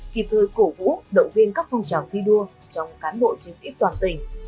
kịp thời cổ vũ động viên các phong trào thi đua trong cán bộ chiến sĩ toàn tỉnh